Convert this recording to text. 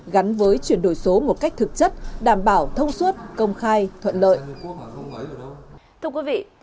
gắn với chuyển đổi số một cách thực chất đảm bảo thông suốt công khai thuận lợi